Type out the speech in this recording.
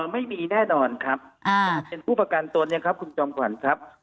ไม่มีแน่นอนครับการเป็นผู้ประกันตนเนี่ยครับคุณจอมขวัญครับ